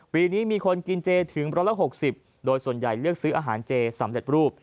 ปีนี้มีคนกินเจถึง๑๖๐โดยส่วนใหญ่เลือกซื้ออาหารเจสำเร็จรูป